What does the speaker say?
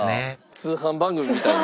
通販番組みたいに。